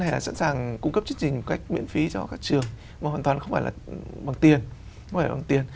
hay là sẵn sàng cung cấp chương trình một cách miễn phí cho các trường mà hoàn toàn không phải là bằng tiền